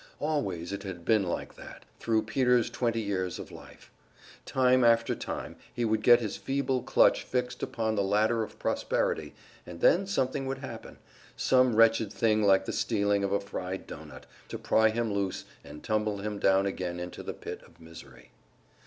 Always it had been like that, thru Peter's twenty years of life. Time after time he would get his feeble clutch fixed upon the ladder of prosperity, and then something would happen some wretched thing like the stealing of a fried doughnut to pry him loose and tumble him down again into the pit of misery.